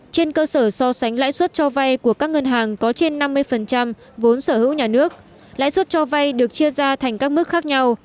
trên cơ sở so sánh lãi suất cho vay của các ngân hàng có trên năm mươi vốn sở hữu nhà nước lãi suất cho vay được chia ra thành các mức khác nhau